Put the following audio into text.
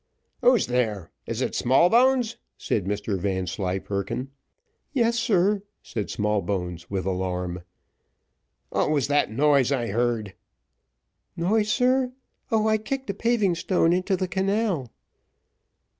"Who's there is it Smallbones?" said Mr Vanslyperken. "Yes, sir," said Smallbones, with alarm. "What was that noise I heard?" "Noise, sir? Oh, I kicked a paving stone into the canal."